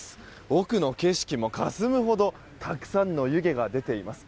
奥の景色もかすむほどたくさんの湯気が出ています。